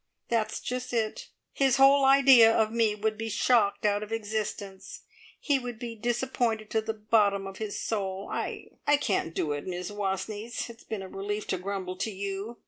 That's just it. His whole idea of me would be shocked out of existence. He would be disappointed to the bottom of his soul. I I can't do it, Miss Wastneys; but it's been a relief to grumble to you.